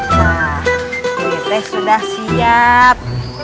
nyai teh sudah siap